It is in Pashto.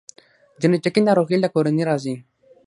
جنیټیکي ناروغۍ له کورنۍ راځي